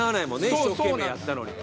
一生懸命やったのにと。